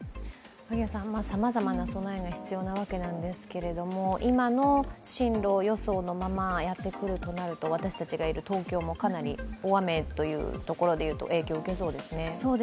さまざまな備えが必要なわけなんですけれども、今の進路予想のままやってくるとなると私たちがいる東京も、かなり大雨というところでいうと、影響を受けそうですね。